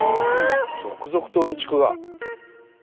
続々とうんちくが。